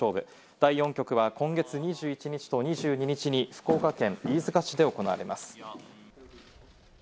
第４局は今月２１日と２２日に福岡県飯塚市で行われます。